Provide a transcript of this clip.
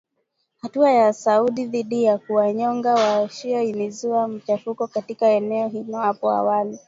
Hatua ya Saudi dhidi ya kuwanyonga wa-shia ilizua machafuko katika eneo hilo hapo awali.